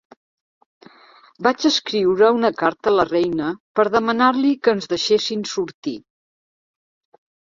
Vaig escriure una carta a la reina per demanar-li que ens deixessin sortir.